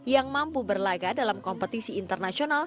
yang mampu berlaga dalam kompetisi internasional